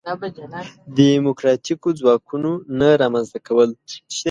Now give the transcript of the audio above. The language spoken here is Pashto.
دیموکراتیکو ځواکونو نه رامنځته کول.